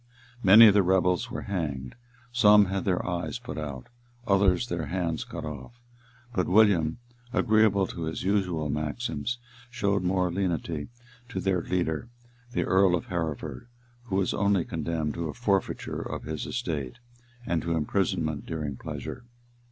Many of the rebels were hanged; some had their eyes put out; others their hands cut off. But William, agreeably to his usual maxims, showed more lenity to their leader, the earl of Hereford, who was only condemned to a forfeiture of his estate, and to imprisonment during pleasure.